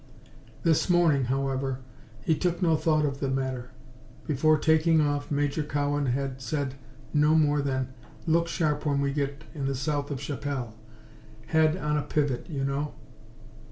This morning, however, he took no thought of the matter. Before taking off Major Cowan had said no more than, "Look sharp when we get south of la Chapelle; head on a pivot, you know."